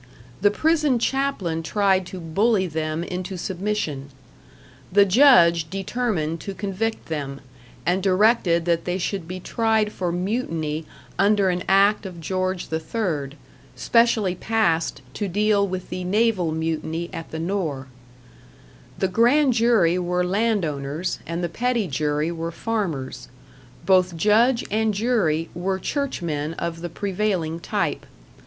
The prison chaplain tried to bully them into submission. The judge determined to convict them, and directed that they should be tried for mutiny under an act of George III, specially passed to deal with the naval mutiny at the Nore. The grand jury were landowners, and the petty jury were farmers; both judge and jury were churchmen of the prevailing type.